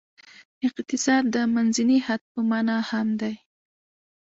اقتصاد د منځني حد په معنا هم دی.